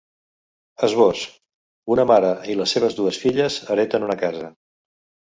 Esbós: Una mare i les seves dues filles hereten una casa.